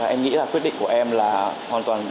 em nghĩ là quyết định của em là hoàn toàn